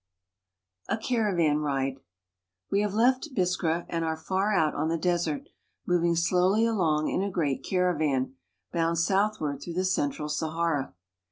A CARAVAN RIDE WE have left Biskra and are far out on the desert, moving slowly along in a great caravan, bound jSouthward through the central Sahara.